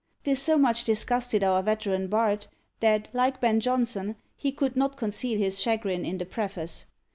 This so much disgusted our veteran bard, that, like Ben Jonson, he could not conceal his chagrin in the preface.